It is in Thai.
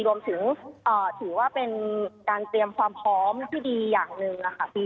รวมถึงถือว่าเป็นการเตรียมความพร้อมที่ดีอย่างหนึ่งนะคะ